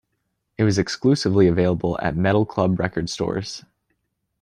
It was exclusively available at Metal Club record stores.